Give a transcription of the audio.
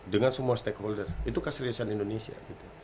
dengan semua stakeholder itu keseriusan indonesia